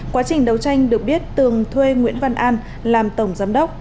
quá trình đấu tranh được biết tường thuê nguyễn văn an làm tổng giám đốc